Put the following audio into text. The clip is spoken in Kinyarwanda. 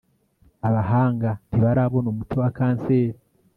abahanga ntibarabona umuti wa kanseri